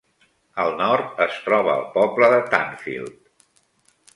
Al nord, es troba el poble de Tanfield.